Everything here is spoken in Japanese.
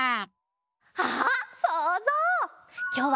あっそうぞう！